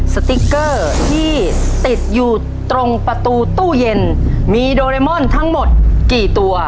สติ๊กเกอร์ที่ติดอยู่ตรงประตูตู้เย็นมีโดเรมอนทั้งหมดกี่ตัว